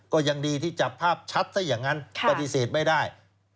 ก็ยังดีที่จับภาพชัดซะอย่างนั้นปฏิเสธไม่ได้